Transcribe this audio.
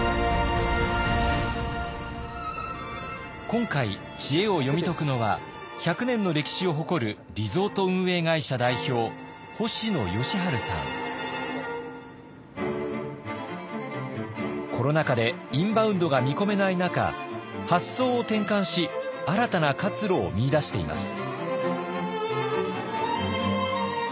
今回知恵を読み解くのは１００年の歴史を誇るコロナ禍でインバウンドが見込めない中発想を転換し新たな活路を見いだしています。